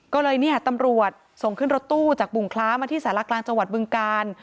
ก็เลยเนี่ยตำรวจส่งขึ้นรถตู้จากบุงคล้ามาที่สารกลางจังหวัดบึงกาล